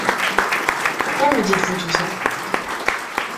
Pourquoi me dites-vous tout ça ?